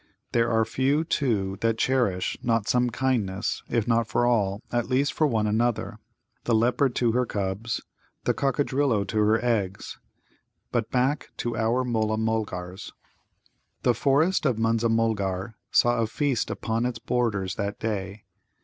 There are few, too, that cherish not some kindness, if not for all, at least for one another the leopard to her cubs, the Coccadrillo to her eggs. But back to our Mulla mulgars. The forest of Munza mulgar saw a feast upon its borders that day.